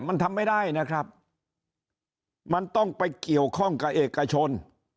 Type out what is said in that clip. มันทำไม่ได้นะครับมันต้องไปเกี่ยวข้องกับเอกชน